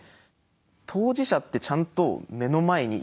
当事者ってちゃんと目の前にいるんだよ。